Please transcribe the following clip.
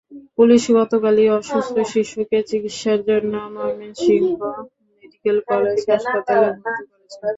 Police গতকালই অসুস্থ শিশুকে চিকিৎসার জন্য ময়মনসিংহ মেডিকেল কলেজ হাসপাতালে ভর্তি করেছে।